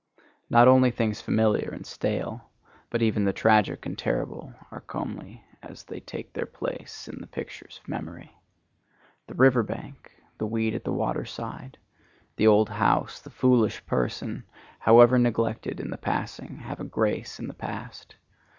Not only things familiar and stale, but even the tragic and terrible are comely as they take their place in the pictures of memory. The river bank, the weed at the water side, the old house, the foolish person, however neglected in the passing, have a grace in the past.